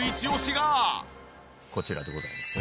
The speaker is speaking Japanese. こちらでございますね。